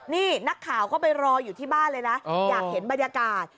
นี่นักข่าวก็ไปรออยู่ที่บ้านเลยนะอยากเห็นบรรยากาศ